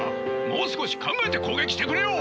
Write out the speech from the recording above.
もう少し考えて攻撃してくれよ！